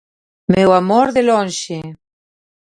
Meu amor de lonxe.